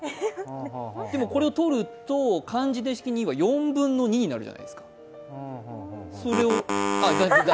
でも、これをとると漢字で式は４分の３になるじゃないですか。